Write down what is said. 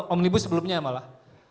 omnibus sebelumnya malah